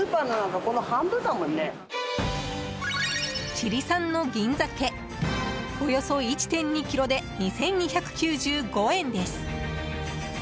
チリ産の銀ザケおよそ１．２ｋｇで２２９５円です。